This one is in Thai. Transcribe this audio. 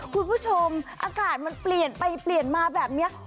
คุณผู้ชมอากาศมันเปลี่ยนไปเปลี่ยนมาแบบนี้